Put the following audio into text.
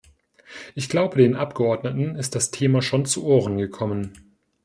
Ich glaube, den Abgeordneten ist das Thema schon zu Ohren gekommen.